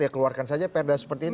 ya keluarkan saja perda seperti itu